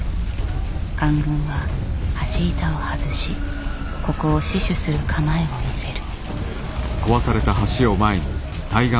官軍は橋板を外しここを死守する構えを見せる。